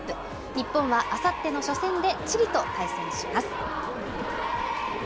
日本はあさっての初戦でチリと対戦します。